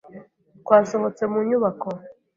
Twasohotse mu nyubako.